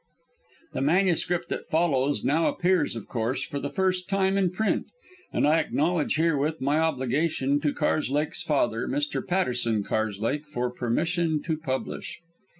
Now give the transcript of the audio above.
The manuscript that follows now appears, of course, for the first time in print, and I acknowledge herewith my obligations to Karslake's father, Mr. Patterson Karslake, for permission to publish.